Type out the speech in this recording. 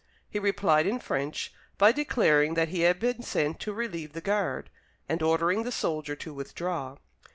He replied in French, by declaring that he had been sent to relieve the guard, and ordering the soldier to withdraw.